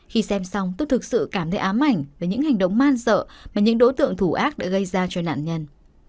khi xem xong tôi thực sự cảm thấy ám ảnh về những hành động man dợ mà những đối tượng thủ ác đã gây ra cho nạn nhân